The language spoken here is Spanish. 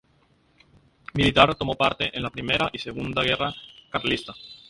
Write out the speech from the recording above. Militar, tomó parte en la Primera y Segunda Guerra Carlista.